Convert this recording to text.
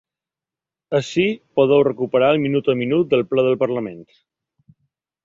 Ací podeu recuperar el minut-a-minut del ple del parlament.